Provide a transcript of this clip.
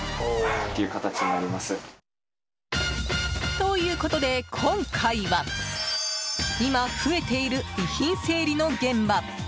ということで今回は今増えている遺品整理の現場